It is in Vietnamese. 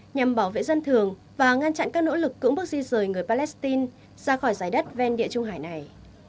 nhằm bảo vệ dân thường và ngăn chặn các nỗ lực cưỡng bước di rời người palestine ra khỏi giải đất ven địa trung hải này